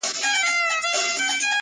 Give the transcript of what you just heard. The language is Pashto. دهیواد د یوې څنډې